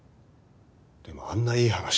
でもあんないい話。